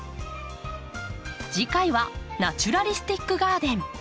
次回は「ナチュラリスティック・ガーデン」。